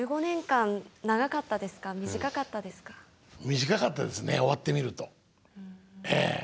短かったですね終わってみるとええ。